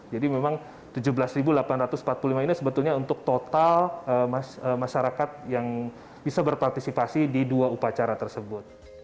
jadi memang tujuh belas delapan ratus empat puluh lima ini sebetulnya untuk total masyarakat yang bisa berpartisipasi di dua upacara tersebut